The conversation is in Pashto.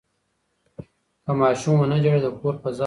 که ماشوم ونه ژاړي، د کور فضا به بدله شي.